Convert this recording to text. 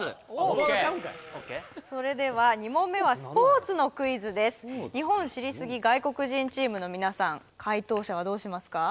・ことわざちゃうんかいそれでは２問目はスポーツのクイズです日本知りスギ外国人チームの皆さん解答者はどうしますか？